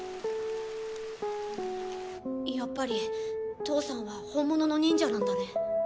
やっぱり父さんは本物の忍者なんだね。